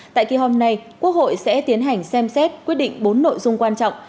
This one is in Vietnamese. tại kỳ họp này quốc hội sẽ tiến hành xem xét quyết định bốn nội dung quan trọng